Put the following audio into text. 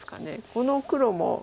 この黒も。